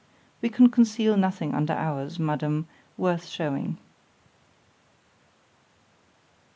_—We can conceal nothing under ours, Madam, worth shewing.